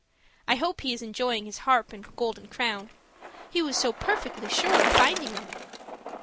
I hope he is enjoying his harp and golden crown; he was so perfectly sure of finding them!